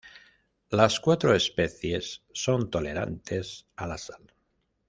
Las cuatro especies son tolerantes a la sal.